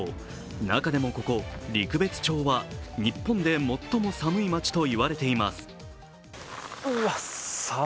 中でもここ、陸別町は日本で最も寒い町といわれています。